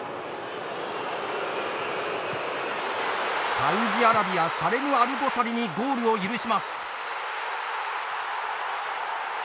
サウジアラビアサレムアルドサリにゴールを許します。